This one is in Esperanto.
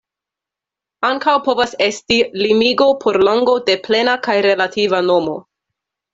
Ankaŭ povas esti limigo por longo de plena kaj relativa nomo.